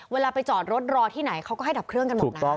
เวลาไปจอดรถรอที่ไหนเขาก็ให้ดับเครื่องกันหมดนะ